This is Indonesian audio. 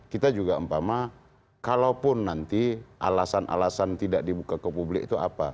kita juga umpama kalaupun nanti alasan alasan tidak dibuka ke publik itu apa